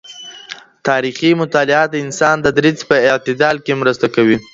تاريخي مطالعه د انسان د دريځ په اعتدال کي مرسته کوي.